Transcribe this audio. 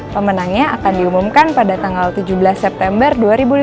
pemenangnya akan diumumkan pada tanggal tujuh belas september dua ribu lima belas